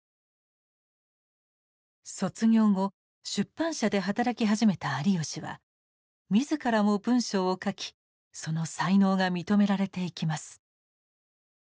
卒業後出版社で働き始めた有吉は自らも文章を書きその才能が認められていきます。